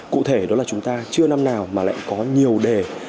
cụ thể đó là chúng ta chưa năm nào mà lại có nhiều đề